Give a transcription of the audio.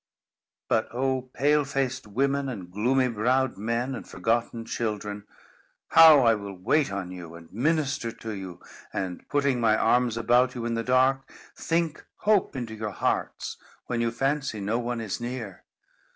"But, O pale faced women, and gloomy browed men, and forgotten children, how I will wait on you, and minister to you, and, putting my arms about you in the dark, think hope into your hearts, when you fancy no one is near!